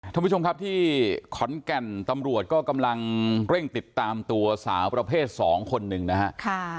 ท่านผู้ชมครับที่ขอนแก่นตำรวจก็กำลังเร่งติดตามตัวสาวประเภท๒คนหนึ่งนะฮะ